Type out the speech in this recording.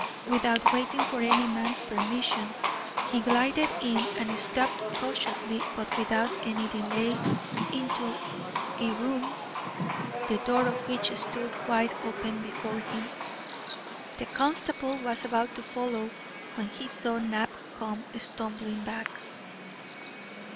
Without waiting for any man's permission, he glided in and stepped cautiously, but without any delay, into a room the door of which stood wide open before him. The constable was about to follow when he saw Knapp come stumbling back.